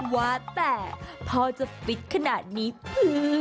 ว่าแต่พ่อจะฟิตขนาดนี้คือ